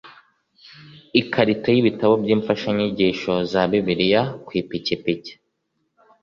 ikarito y ibitabo by imfashanyigisho za bibiliya ku ipikipiki